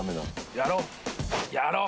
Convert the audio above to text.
やろう。